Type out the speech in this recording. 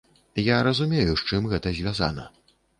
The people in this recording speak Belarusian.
Я разумею, з чым гэта звязана.